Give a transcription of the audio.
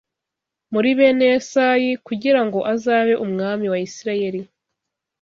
muri bene Yesayi kugira ngo azabe umwami wa Isirayeli